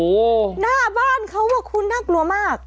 โอ้โหหน้าบ้านเขาอ่ะคุณน่ากลัวมาก